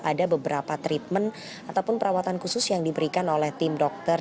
ada beberapa treatment ataupun perawatan khusus yang diberikan oleh tim dokter